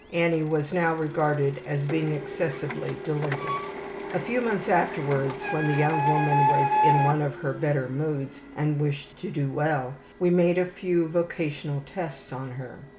Annie was now regarded as being excessively delinquent. A few months afterwards, when the young woman was in one of her better moods and wished to do well, we made a few vocational tests on her.